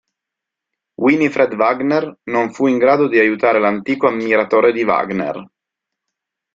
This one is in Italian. Winifred Wagner non fu in grado di aiutare l'antico ammiratore di Wagner.